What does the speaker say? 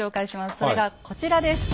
それがこちらです。